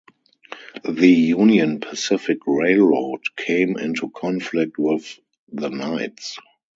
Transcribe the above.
The Union Pacific Railroad came into conflict with the Knights.